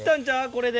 これで。